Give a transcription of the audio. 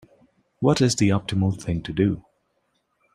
What is the optimal thing to do?